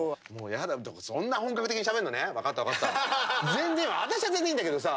全然私は全然いいんだけどさ。